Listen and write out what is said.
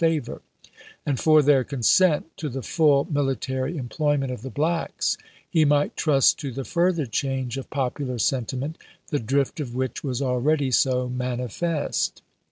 favor; and for their consent to the full military employment of the blacks he might trust to the fur ther change of popular sentiment, the drift of which was already so manifest.